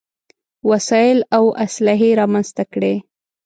وسايل او اسلحې رامنځته کړې.